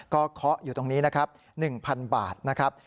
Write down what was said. ก็เคาะอยู่ตรงนี้นะครับ๑๐๐๐บาทนะครับ